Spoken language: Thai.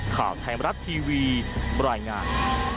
ข่าวไทยมรัฐทีวีบรรยายงาน